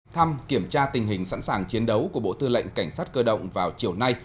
thăm kiểm tra tình hình sẵn sàng chiến đấu của bộ tư lệnh cảnh sát cơ động vào chiều nay